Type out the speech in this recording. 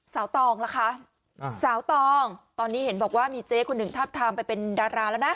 ตองล่ะคะสาวตองตอนนี้เห็นบอกว่ามีเจ๊คนหนึ่งทับทามไปเป็นดาราแล้วนะ